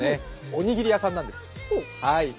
おにぎり屋さんなんです。